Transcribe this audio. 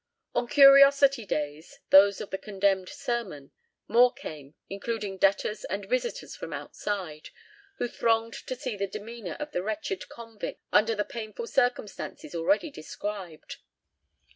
On "curiosity days," those of the condemned sermon, more came, including debtors and visitors from outside, who thronged to see the demeanour of the wretched convicts under the painful circumstances already described.